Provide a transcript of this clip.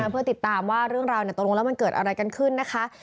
เพื่อติดตามว่าเรื่องราวตกลงแล้วมันเกิดอะไรกันขึ้นนะคะ